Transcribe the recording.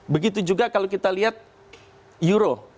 begitu juga kalau kita lihat euro